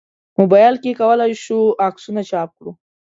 موبایل کې کولای شو عکسونه چاپ کړو.